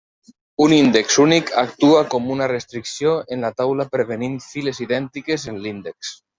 Un índex únic actua com una restricció en la taula prevenint files idèntiques en l'índex.